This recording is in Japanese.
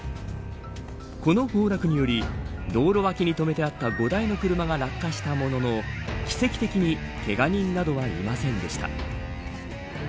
この崩落により道路脇に止めてあった５台の車が落下したものの奇跡的にけが人などはいませんでした。